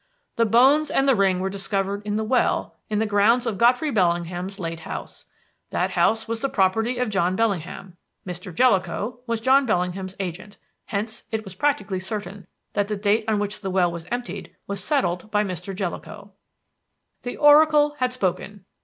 "The bones and the ring were discovered in the well in the grounds of Godfrey Bellingham's late house. That house was the property of John Bellingham. Mr. Jellicoe was John Bellingham's agent. Hence it was practically certain that the date on which the well was emptied was settled by Mr. Jellicoe. "The oracle had spoken.